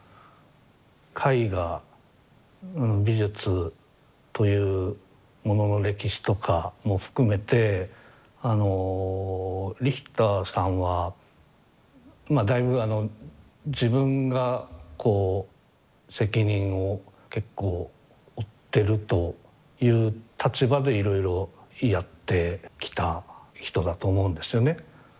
絵画美術というものの歴史とかも含めてリヒターさんはだいぶ自分がこう責任を結構負ってるという立場でいろいろやってきた人だと思うんですよね。